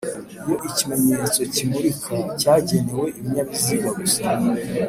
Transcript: Iyo ikimenyetso kimurika cyagenewe ibinyabiziga gusa